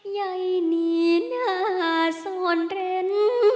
ใยหนีหน้าซ่อนเร้น